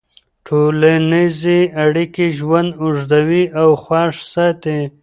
ټولنیزې اړیکې ژوند اوږدوي او خوښ ساتي.